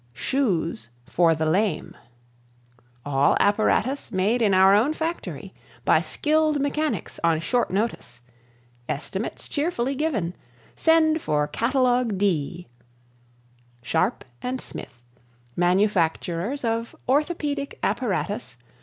Shoes for the Lame All apparatus made in our own factory. By skilled mechanics on short notice. Estimates cheerfully given. Send for catalog "D." SHARP & SMITH Manufacturers of Orthopedic Apparatus.